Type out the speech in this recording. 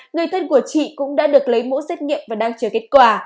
người thân của chị cũng đã được lấy mẫu xét nghiệm và đang chờ kết quả